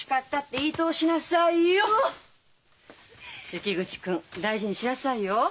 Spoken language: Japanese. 関口君大事にしなさいよ。